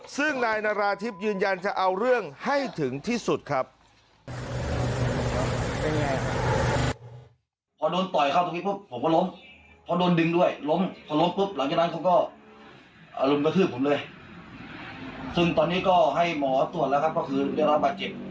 ซึ่งนายนาราธิบยืนยันจะเอาเรื่องให้ถึงที่สุดครับ